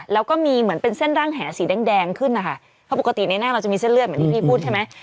แล้วก็มีเหมือนเป็นเส้นร่างแหสีแดงแดงขึ้นนะคะเพราะปกติในหน้าเราจะมีเส้นเลือดเหมือนที่พี่พูดใช่ไหม